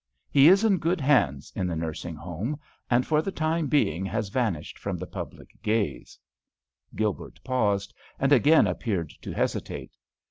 He is in good hands in the nursing home, and for the time being has vanished from the public gaze." Gilbert paused, and again appeared to hesitate.